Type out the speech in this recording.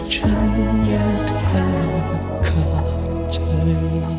ฉันยังแทบขาดใจ